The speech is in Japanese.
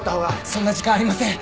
そんな時間ありません。